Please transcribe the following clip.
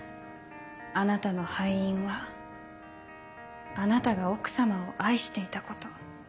あなたの敗因はあなたが奥様を愛していたこと。